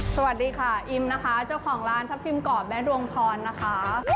สวัสดีค่ะอิมนะคะเจ้าของร้านทัพทิมกรอบแม่ดวงพรนะคะ